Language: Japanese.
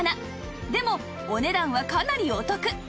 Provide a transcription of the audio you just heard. でもお値段はかなりお得！